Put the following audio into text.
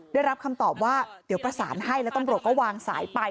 ได้รับคำตอบว่าเดี๋ยวประสานให้แล้วตำรวจก็วางสายไป